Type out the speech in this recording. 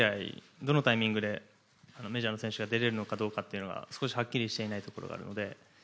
どのタイミングでメジャーの選手が出られるかどうかは少しはっきりしていないところがあるので。